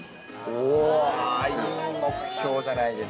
おー、いい目標じゃないです